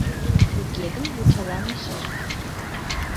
Туге гын, вучалам мый шыжым